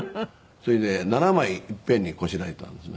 それで７枚いっぺんにこしらえたんですね。